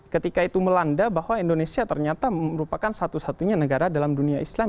ketika itu melanda bahwa indonesia ternyata merupakan satu satunya negara dalam dunia islam